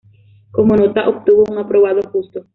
Como nota obtuvo un aprobado justo.